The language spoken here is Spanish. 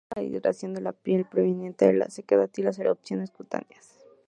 Ayuda a la hidratación de la piel, previene la sequedad y las erupciones cutáneas.